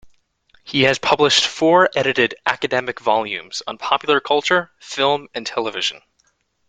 He has published four edited academic volumes on popular culture, film, and television.